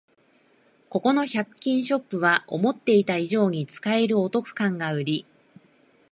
ここの百均ショップは思ってた以上に使えるお得感がウリ